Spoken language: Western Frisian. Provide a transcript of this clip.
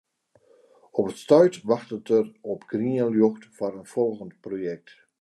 Op it stuit wachtet er op grien ljocht foar in folgjend projekt.